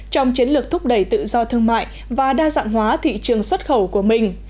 trong chiến lược thúc đẩy tự do thương mại và đa dạng hóa thị trường xuất khẩu của mình